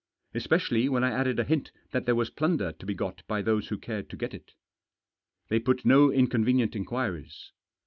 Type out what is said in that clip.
Especially when I added a hint that there was plunder to be got by those who cared to get it They put no inconvenient inquiries.